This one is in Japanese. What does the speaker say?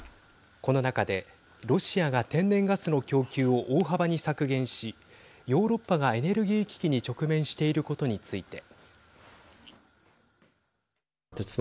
この中で、ロシアが天然ガスの供給を大幅に削減しヨーロッパがエネルギー危機に直面していることについて。